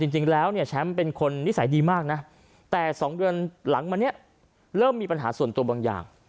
จริงแล้วเนี่ยแชมป์เป็นคนนิสัยดีมากนะแต่๒เดือนหลังมาเนี่ยเริ่มมีปัญหาส่วนตัวบางอย่าง